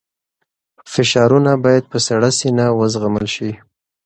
فشارونه باید په سړه سینه وزغمل شي.